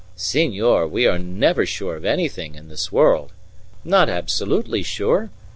"Senor, we are never sure of anything in this world. Not absolutely sure.